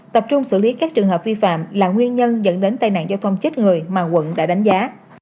tập trung xử lý các trường hợp vi phạm là nguyên nhân dẫn đến tai nạn giao thông chết người mà quận đã đánh giá